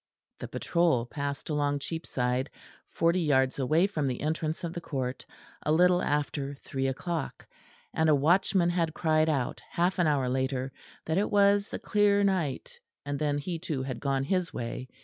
The patrol passed along Cheapside forty yards away from the entrance of the court, a little after three o'clock; and a watchman had cried out half an hour later, that it was a clear night; and then he too had gone his way.